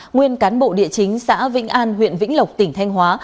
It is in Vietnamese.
nguyên cán bộ địa chính xã vĩnh an huyện vĩnh lộc tỉnh thanh hóa